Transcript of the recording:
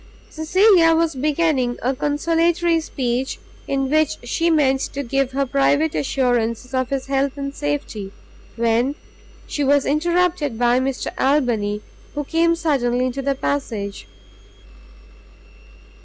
Cecilia was beginning a consolatory speech, in which she meant to give her private assurances of his health and safety, when she was interrupted by Mr Albany, who came suddenly into the passage.